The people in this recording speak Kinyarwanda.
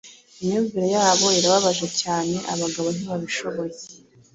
Imyumvire yabo irababaje cyane Abagabo ntibabishoboye